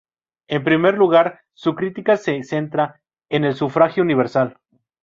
En primer lugar, su crítica se centra en el sufragio universal.